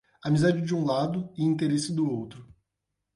Amizade de um lado e interesse do outro.